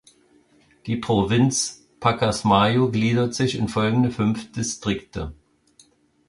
Die Provinz Pacasmayo gliedert sich in folgende fünf Distrikte.